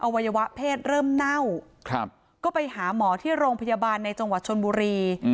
วัยวะเพศเริ่มเน่าก็ไปหาหมอที่โรงพยาบาลในจังหวัดชนบุรี